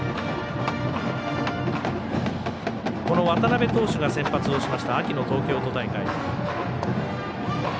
渡邊投手が先発をしました秋の東京都大会。